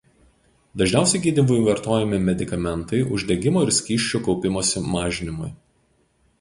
Dažniausiai gydymui vartojami medikamentai uždegimo ir skysčių kaupimosi mažinimui.